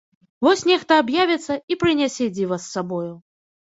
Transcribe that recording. Вось нехта аб'явіцца і прынясе дзіва з сабою.